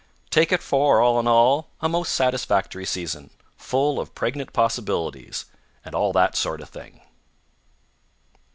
Take it for all in all, a most satisfactory season, full of pregnant possibilities and all that sort of thing.